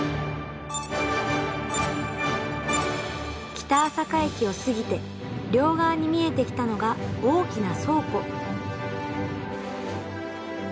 北朝霞駅を過ぎて両側に見えてきたのが大きな倉庫。